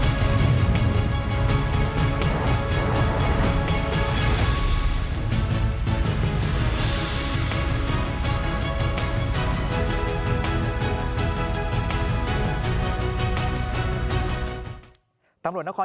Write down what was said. มันกลายเปลี่ยนกับสถานที่สุด